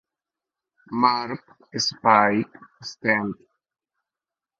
Mezcla: Mark "Spike" Stent.